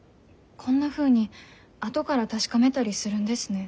こんなふうに後から確かめたりするんですね。